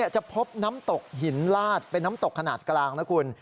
จะพบน้ำตกหินลาดเป็นน้ำตกขนาดกลางนะคุณ